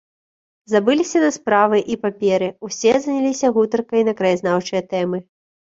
Забыліся на справы і паперы, усе заняліся гутаркай на краязнаўчыя тэмы.